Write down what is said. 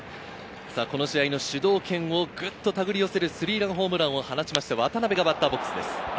この試合の主導権をグッとたぐり寄せるスリーランホームランを放ちました渡辺がバッターボックスです。